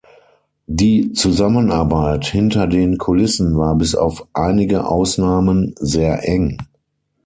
Die Zusammenarbeit hinter den Kulissen war bis auf einige Ausnahmen sehr eng.